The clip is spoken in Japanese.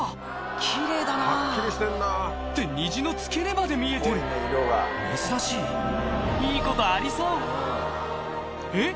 奇麗だなって虹の付け根まで見えてる珍しいいいことありそうえっ